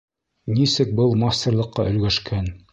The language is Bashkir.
Нисек был мастерлыҡҡа өлгәшкән?